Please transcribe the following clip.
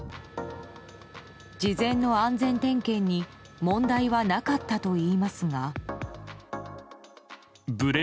事前の安全点検に問題はなかったといいますが。